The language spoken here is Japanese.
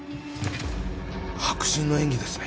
迫真の演技ですね。